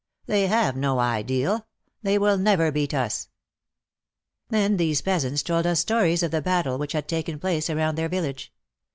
They have no Ideal — they will never beat us !" Then these peasants told us stories of the battle which had taken place around their village.